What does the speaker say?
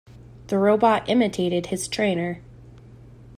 The robot imitated his trainer.